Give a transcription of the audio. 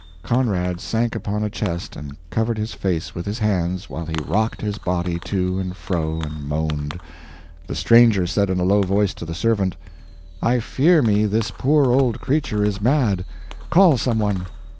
Conrad sank upon a bench and covered his face with his hands while he rocked his body to and fro and moaned. The stranger said in a low voice to the servant: "I fear me this poor old creature is mad. Call some one."